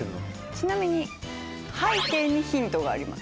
ちなみに背景にヒントがあります。